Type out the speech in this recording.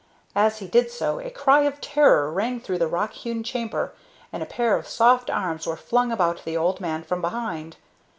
As he did so, a cry of terror rang through the rock hewn chamber, and a pair of soft arms were flung about the old man from behind.